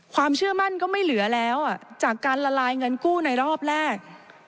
ความเชื่อมั่นก็ไม่เหลือแล้วจากการละลายเงินกู้ในรอบแรก